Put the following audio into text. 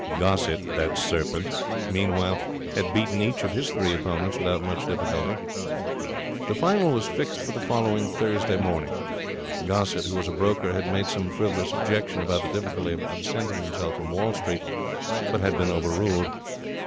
Gossett, that serpent, meanwhile, had beaten each of his three opponents without much difficulty. The final was fixed for the following Thursday morning. Gossett, who was a broker, had made some frivolous objection about the difficulty of absenting himself from Wall Street, but had been overruled.